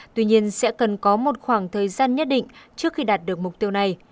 tuy nhiên sẽ cần có một khoảng thời gian nhất định trước khi đạt được mục tiêu này